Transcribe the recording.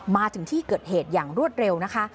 มาถึงที่เกิดเหตุอย่างรวดเร็วนะคะ